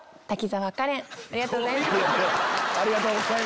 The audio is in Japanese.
ありがとうございます。